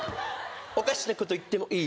「おかしなこと言ってもいい？」